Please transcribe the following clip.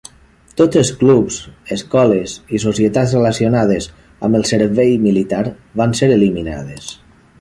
Tots els clubs, escoles i societats relacionades amb el servei militar van ser eliminades.